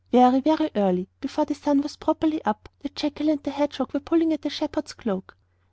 Very, very early, before the sun was properly up, the jackal and the hedgehog were pulling at the shepherd's cloak.